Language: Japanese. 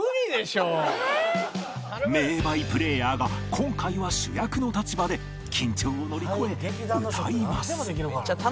名バイプレーヤーが今回は主役の立場で緊張を乗り越え歌います